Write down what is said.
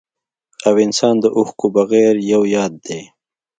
او انسان د اوښکو بغير يو ياد دی